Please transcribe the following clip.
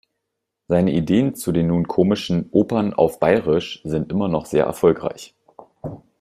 Seine Ideen zu den nun komischen "Opern auf Bayerisch" sind immer noch sehr erfolgreich.